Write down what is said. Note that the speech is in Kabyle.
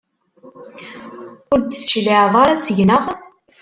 Ur d-tecliɛeḍ ara seg-neɣ?